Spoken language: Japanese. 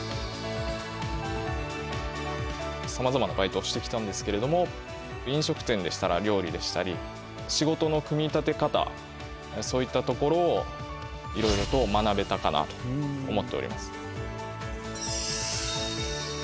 さまざまなバイトをしてきたんですけれども飲食店でしたら料理でしたり仕事の組み立て方そういったところをいろいろと学べたかなと思っております。